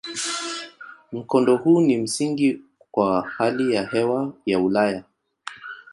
Mkondo huu ni msingi kwa hali ya hewa ya Ulaya.